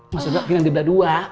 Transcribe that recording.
mas yuda pinang di belakang dua